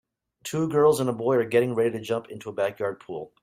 Two girls and a boy are getting ready to jump into a backyard pool.